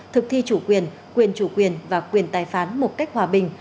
thực thi chủ quyền quyền chủ quyền và quyền tài phán một cách hòa bình